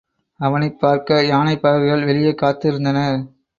அவனைப் பார்க்க யானைப்பாகர்கள் வெளியே காத்து இருந்தனர்.